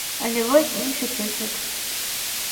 Але вось іншы прыклад.